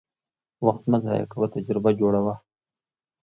وخت مه ضایع کوه، تجربه جوړه وه.